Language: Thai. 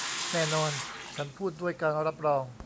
แน่นอน ฉันพูดด้วยการรับรอง